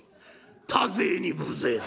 多勢に無勢だ。